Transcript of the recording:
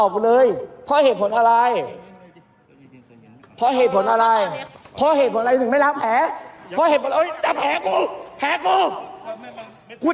เพราะเหตุผลแล้วถึงไปล้างแผลกู